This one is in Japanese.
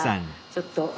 ちょっと。